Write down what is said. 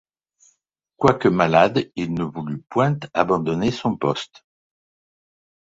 Quoique malade, il ne voulut point abandonner son poste.